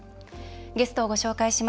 ゲストをご紹介します。